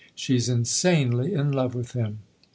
" She's insanely in love with him."